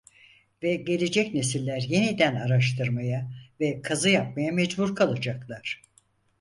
Ve gelecek nesiller yeniden araştırmaya ve kazı yapmaya mecbur kalacaklar!